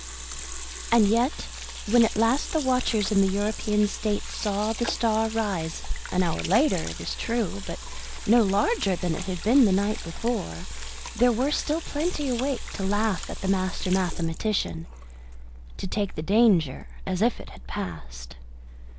And yet, when at last the watchers in the European States saw the star rise, an hour later, it is true, but no larger than it had been the night before, there were still plenty awake to laugh at the master mathematician to take the danger as if it had passed.